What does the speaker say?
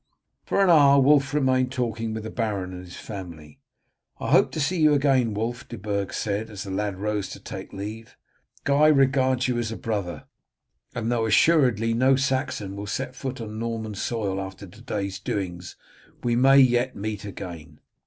For an hour Wulf remained talking with the baron and his family. "I hope to see you again, Wulf," De Burg said, as the lad rose to take leave. "Guy regards you as a brother, and though assuredly no Saxon will set foot on Norman soil after to day's doings, we may yet meet again."